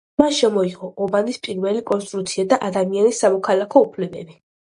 მან შემოიღო ომანის პირველი კონსტიტუცია და ადამიანის სამოქალაქო უფლებები.